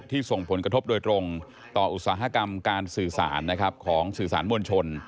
ส่งผลกระทบโดยตรงต่ออุตสาหกรรมการสื่อสารของสื่อสารมวลชน